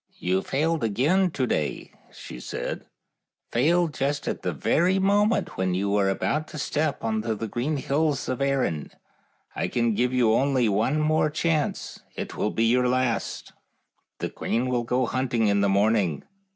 You failed again to day," said she " failed just at the very moment when yon were about to step on the green hills of Erin. I can give you only one chance more. It will be your last. 68 FAIRY TALES The queen will go hunting in the morning.